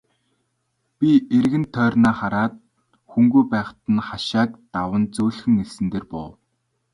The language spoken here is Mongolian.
Би эргэн тойрноо хараад хүнгүй байхаар нь хашааг даван зөөлхөн элсэн дээр буув.